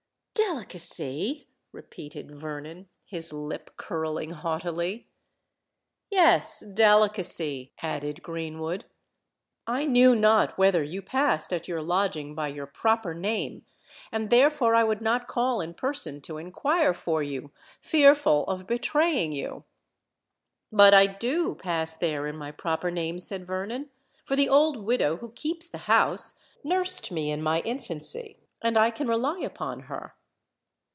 "Delicacy!" repeated Vernon, his lip curling haughtily. "Yes—delicacy," added Greenwood. "I knew not whether you passed at your lodging by your proper name; and therefore I would not call in person to inquire for you—fearful of betraying you." "But I do pass there in my proper name," said Vernon; "for the old widow who keeps the house nursed me in my infancy, and I can rely upon her."